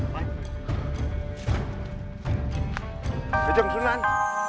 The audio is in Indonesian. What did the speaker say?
jangan lupa sunan